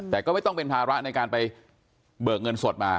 แต่ก็ไม่ต้องเป็นภาระในการไปเบิกเงินสดมา